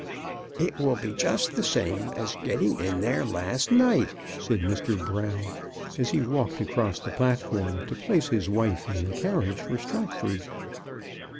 " It will be just the same as getting in there last night," said Mr. Brown, as he walked across the platform to place his wife in the carriage for Stratford.